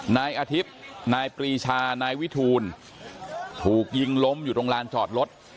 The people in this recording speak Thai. นายอาทิตย์นายปรีชานายวิทูลถูกยิงล้มอยู่ตรงลานจอดรถ